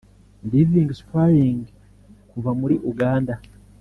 Living Spring kuva muri Uganda